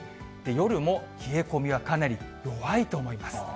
夜も冷え込みはかなり弱いと思います。